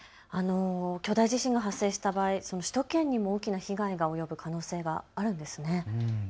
巨大地震が発生した場合、首都圏にも大きな被害があるという可能性があるんですね。